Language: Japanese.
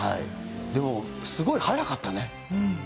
でも、すごい速かったね。